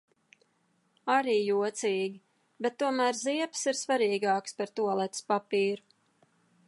Arī jocīgi, bet tomēr ziepes ir svarīgākas par tualetes papīru.